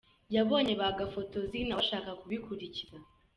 Yabonye ba gafotozi nawe ashaka kubikuririza.